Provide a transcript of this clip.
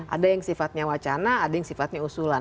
ada yang sifatnya wacana ada yang sifatnya usulan